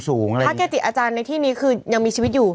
พระเกจิอาจารย์ในที่นี้คือยังมีชีวิตอยู่